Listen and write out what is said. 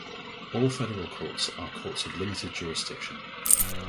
All federal courts are courts of limited jurisdiction.